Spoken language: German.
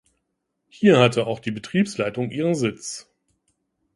Hier hatte auch die Betriebsleitung ihren Sitz.